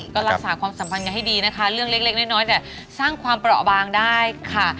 ก็รักษาความสัมพันธ์กันให้ดีนะคะเรื่องเล็กน้อยแต่สร้างความเปราะบางได้ค่ะ